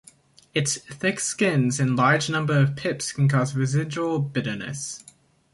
Its thick skins and large number of pips can cause residual bitterness.